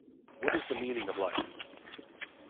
What is the meaning of life?